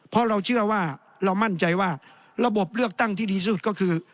เพราะเราเชื่อว่าเรามั่นใจว่าระบบเลือกตั้งที่ดีสุดก็คือ